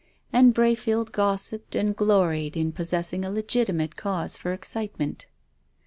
And Brayfield gossiped and gloried in possessing a legitimate cause for excitement.